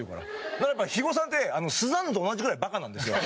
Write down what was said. だからやっぱ肥後さんってスザンヌと同じぐらいバカなんですよ。